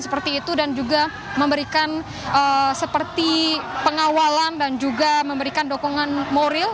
seperti itu dan juga memberikan seperti pengawalan dan juga memberikan dukungan moral